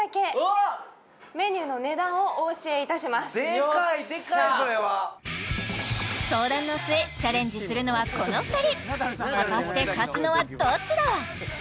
でかいでかいこれは相談の末チャレンジするのはこの２人果たして勝つのはどっちだ？